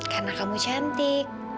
karena kamu cantik